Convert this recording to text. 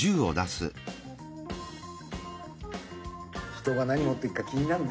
人が何持ってるか気になるね。